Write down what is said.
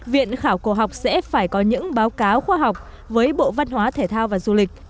viện khảo cổ học sẽ phải có những báo cáo khoa học với bộ văn hóa thể thao và du lịch